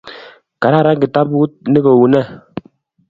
Kararan kitabut ni kunee!